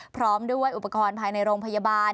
พร้อมด้วยอุปกรณ์ภายในโรงพยาบาล